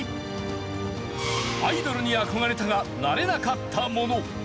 アイドルに憧れたがなれなかった者。